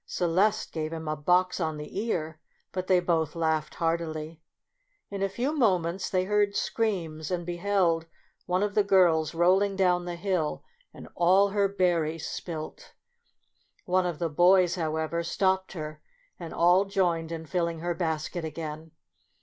Celeste gave him a box on the ear, but they both laughed heartily. In a few moments they heard screams, and beheld one of the girls rolling down the hill, and COUNTRY DOLL. 31 all her berries spilt. One of the boys, however, stopped her, and all joined in fill ing her basket again.